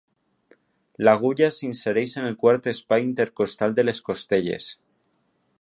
L'agulla s'insereix en el quart espai intercostal de les costelles.